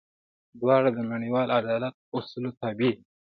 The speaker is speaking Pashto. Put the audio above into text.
دواړه د نړیوال عدالت اصولو تابع دي.